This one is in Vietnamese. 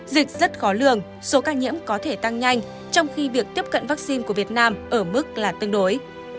dịch rất khó lường số ca nhiễm có thể tăng nhanh trong khi việc tiếp cận vaccine của việt nam ở mức là tương đối